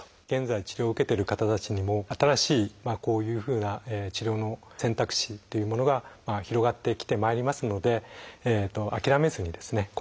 現在治療を受けている方たちにも新しいこういうふうな治療の選択肢というものが広がってきてまいりますので諦めずにですね